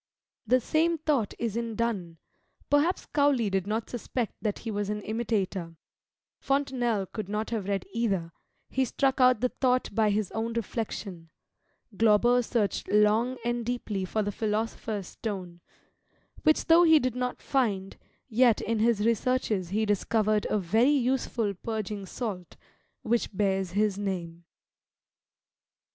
The same thought is in Donne; perhaps Cowley did not suspect that he was an imitator; Fontenelle could not have read either; he struck out the thought by his own reflection, Glauber searched long and deeply for the philosopher's stone, which though he did not find, yet in his researches he discovered a very useful purging salt, which bears his name.